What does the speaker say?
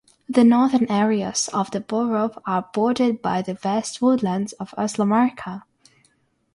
The northern areas of the borough are bordered by the vast woodlands of Oslomarka.